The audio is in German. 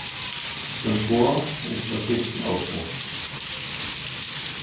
Sun Bu’er entschloss sich zum Aufbruch.